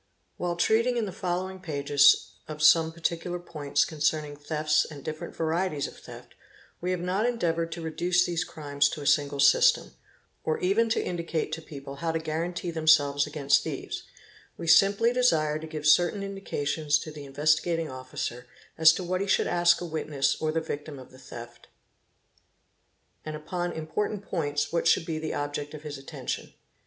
While treating in the following pages of some particular points concern — ing thefts and different varieties of theft we have not endeavoured to reduce — these crimes to a single system, or even to indicate to people how to guarantee themselves against thieves; we simply desire to give certain — indications to the Investigating Officer as to what he should ask a witness or the victim of the theft, and upon important points what should be the object of his attention.